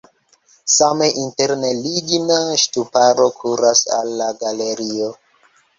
Same interne ligna ŝtuparo kuras al la galerio.